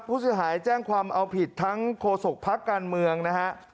ผู้เสียหายแจ้งความเอาผิดทั้งโฆษกภักดิ์การเมืองนะฮะ